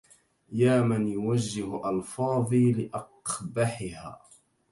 يا من يوجه ألفاظي لأقبحها